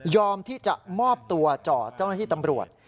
ที่จะมอบตัวต่อเจ้าหน้าที่ตำรวจ